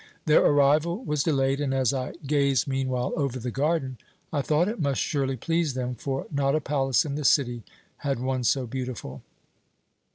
Their arrival was delayed and, as I gazed meanwhile over the garden, I thought it must surely please them, for not a palace in the city had one so beautiful.